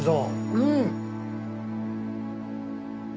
うん！